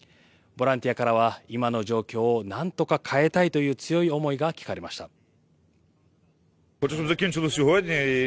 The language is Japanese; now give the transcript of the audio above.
ボランティアからは、今の状況をなんとか変えたいという強い思いが聞かれました。